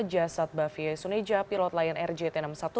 jasad bafie sunija pilot layan rjt enam ratus sepuluh